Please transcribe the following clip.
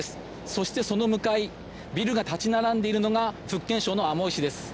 そして、その向かいビルが立ち並んでいるのが福建省のアモイ市です。